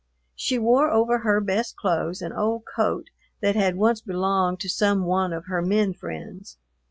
She wore over her best clothes an old coat that had once belonged to some one of her men friends.